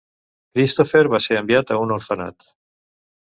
Christopher va ser enviat a un orfenat.